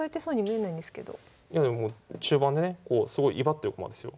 いやでも中盤でねすごい威張ってる駒ですよ。